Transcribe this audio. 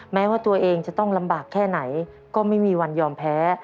แม้ว่าตัวเองจะต้องลำบากแค่ไหนก็ไม่มีวันยอมแพ้